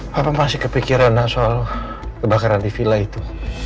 papa masih kepikiran nak soal kebakaran di villa itu